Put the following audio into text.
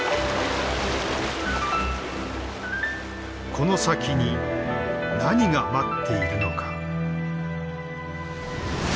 この先に何が待っているのか。